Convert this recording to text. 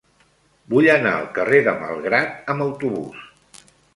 Vull anar al carrer de Malgrat amb autobús.